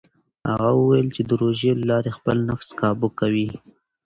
هغه وویل چې د روژې له لارې خپل نفس کابو کوي.